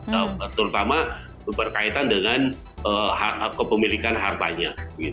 terutama berkaitan dengan kepemilikan hartanya